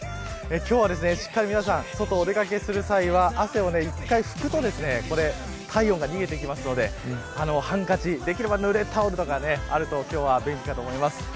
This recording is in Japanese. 今日は、しっかり、皆さん外お出掛けする際は汗を一度吹くと体温が逃げていきますのでハンカチできればぬれタオルとかあると今日は便利かと思います。